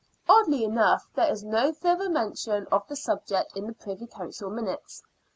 Oddly enough, there is no further mention of the subject in the Privy Council minutes.